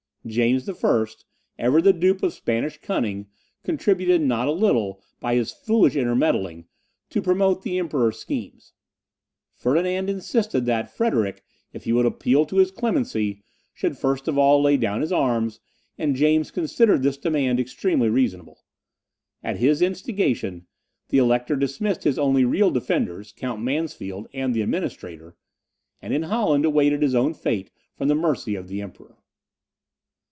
James I., ever the dupe of Spanish cunning, contributed not a little, by his foolish intermeddling, to promote the Emperor's schemes. Ferdinand insisted that Frederick, if he would appeal to his clemency, should, first of all, lay down his arms, and James considered this demand extremely reasonable. At his instigation, the Elector dismissed his only real defenders, Count Mansfeld and the Administrator, and in Holland awaited his own fate from the mercy of the Emperor.